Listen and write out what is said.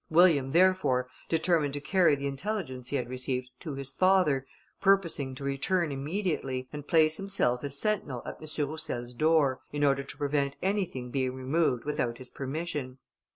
William therefore determined to carry the intelligence he had received to his father, purposing to return immediately, and place himself as sentinel at M. Roussel's door, in order to prevent anything being removed without his permission.